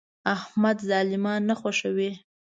احمد ظالمان نه خوښوي.